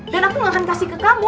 dan aku gak akan kasih ke kamu